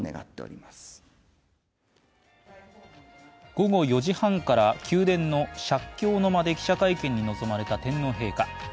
午後４時半から宮殿の石橋の間で記者会見に臨まれた天皇陛下。